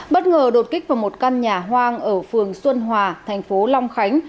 bất ngờ đột kích vào một căn nhà hoang ở phường xuân hòa thành phố long khánh